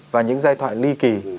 và những giai thoại ly kỳ